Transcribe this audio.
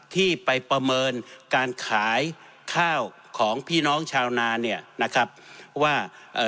ที่ไปประเมินการขายข้าวของพี่น้องชาวนาเนี่ยนะครับว่าเอ่อ